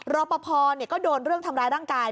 รอปภก็โดนเรื่องทำร้ายร่างกาย